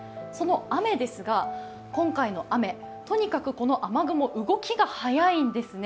雨ですが、今回の雨、とにかくこの雨雲、動きが早いんですね。